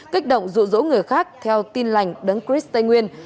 kích động rụ rỗ người khác theo tin lành đấng chris tây nguyên